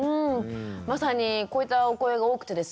まさにこういったお声が多くてですね